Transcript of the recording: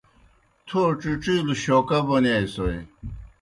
تھو ڇِڇِیلوْ شوکا بونِیائےسوئے۔